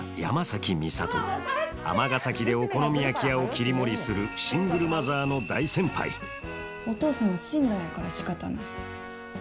尼崎でお好み焼き屋を切り盛りするシングルマザーの大先輩お父さんは死んだんやからしかたない。